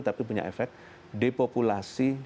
tapi punya efek depopulasi